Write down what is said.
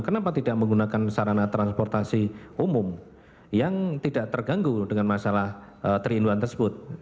kenapa tidak menggunakan sarana transportasi umum yang tidak terganggu dengan masalah tiga in satu tersebut